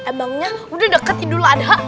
emangnya udah deket itu ladha